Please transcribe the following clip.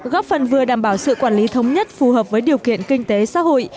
góp phần vừa đảm bảo sự quản lý thống nhất phù hợp với điều kiện kinh tế xã hội